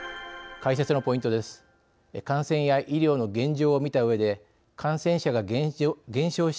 解説のポイントです。